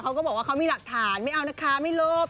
เขาก็บอกว่าเขามีหลักฐานไม่เอานะคะไม่ลบ